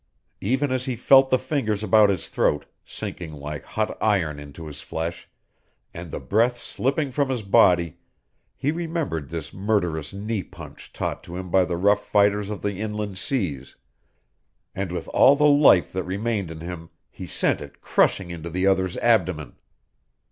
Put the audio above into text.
Even as he felt the fingers about his throat, sinking like hot iron into his flesh, and the breath slipping from his body, he remembered this murderous knee punch taught to him by the rough fighters of the Inland Seas, and with all the life that remained in him he sent it crushing into the other's abdomen.